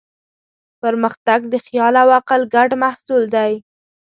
پرمختګ د خیال او عقل ګډ محصول دی.